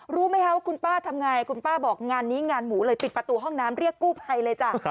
รู้ไหมคะว่าคุณป้าทำไงคุณป้าบอกงานนี้งานหมูเลยปิดประตูห้องน้ำเรียกกู้ภัยเลยจ้ะ